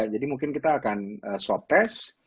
jadi mungkin kita akan swap tes